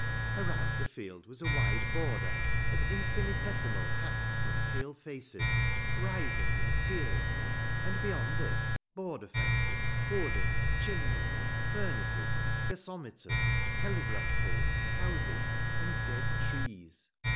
Around the field was a wide border of infinitesimal hats and pale faces, rising in tiers, and beyond this border fences, hoardings, chimneys, furnaces, gasometers, telegraph poles, houses, and dead trees.